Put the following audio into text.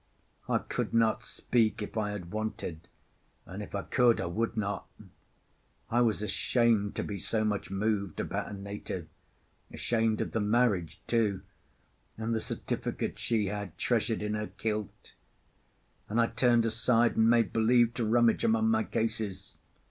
I could not speak if I had wanted; and if I could, I would not. I was ashamed to be so much moved about a native, ashamed of the marriage too, and the certificate she had treasured in her kilt; and I turned aside and made believe to rummage among my cases.